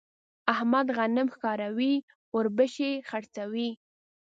احمد غنم ښکاروي ـ اوربشې خرڅوي.